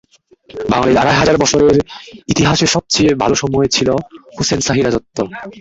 বাঙালির আড়াই হাজার বছরের ইতিহাসেসবচেয়ে ভালো সময় ছিল হুসেন শাহি রাজত্ব।